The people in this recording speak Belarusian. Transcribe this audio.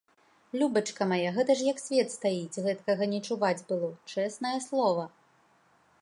Любачка мая, гэта ж як свет стаіць, гэткага не чуваць было, чэснае слова.